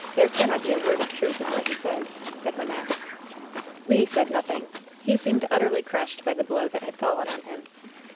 There cannot be a word of truth in what he says," said Wynnette. Le said nothing. He seemed utterly crushed by the blow that had fallen on him.